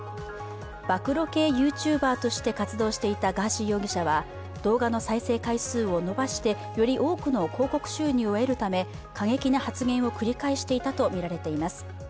暴露系ＹｏｕＴｕｂｅｒとして活動していたガーシー容疑者は動画の再生回数を伸ばしてより多くの広告収入を得るため過激な発言を繰り返していたとみられます。